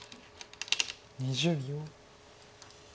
２０秒。